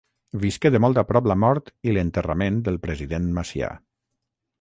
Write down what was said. Visqué de molt a prop la mort i l'enterrament del president Macià.